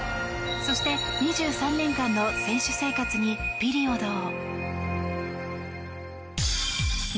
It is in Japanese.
そして、２３年間の選手生活にピリオドを。